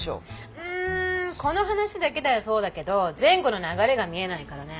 うんこの話だけではそうだけど前後の流れが見えないからねぇ。